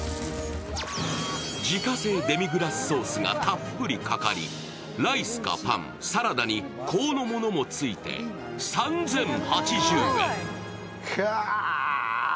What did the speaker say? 自家製デミグラスソースがたっぷりかかり、ライスかパン、サラダに香の物もついて３０８０円。